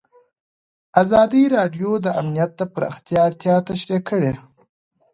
ازادي راډیو د امنیت د پراختیا اړتیاوې تشریح کړي.